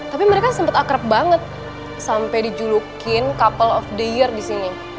tapi mereka sempat akrab banget sampai dijulukin couple of the year di sini